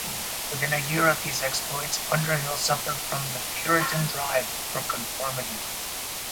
Within a year of these exploits, Underhill suffered from the Puritan drive for conformity.